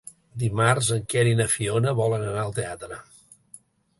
Dimarts en Quer i na Fiona volen anar al teatre.